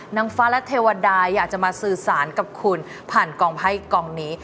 นางฟ้าและเทวดาอยากจะมาสื่อสารกับคุณผ่านกองไพ่กองนี้